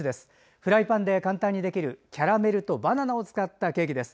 フライパンで簡単にできるキャラメルとバナナを使ったケーキです。